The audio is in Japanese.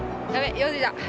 ４時だ